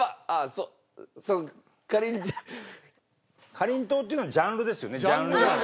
かりんとうっていうのはジャンルですよねジャンル。